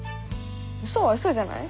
ウソはウソじゃない？